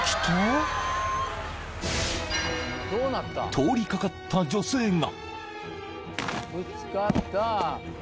［通り掛かった女性が］